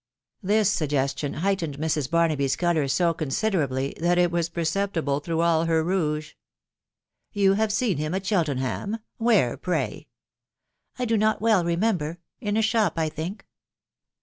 This suggestion heightened Mrs. Barnaby's colour so consi derably that it was perceptible through all her rouge. i€ You have seen him at Cheltenham ?.... Where, pray ?"" I do not well remember ; in a shop, I think."